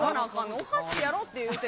おかしいやろって言うてる。